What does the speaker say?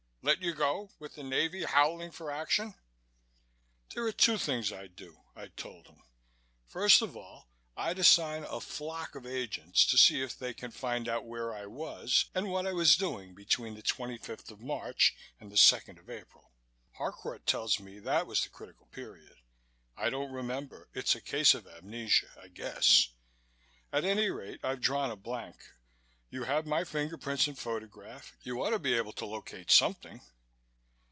Let you go, with the Navy howling for action?" "There are two things I'd do," I told him. "First of all, I'd assign a flock of agents to see if they can find out where I was and what I was doing between the 25th of March and the second of April. Harcourt tells me that was the critical period. I don't remember. It's a case of amnesia, I guess. At any rate, I've drawn a blank. You have my fingerprints and photograph. You ought to be able to locate something."